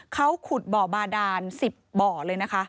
เขาขุดบ่อบาดาน๑๐บ่อเลยนะคะ